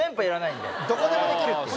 どこでもできるっていう。